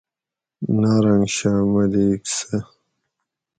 نارنگ شاہ ملیک سہ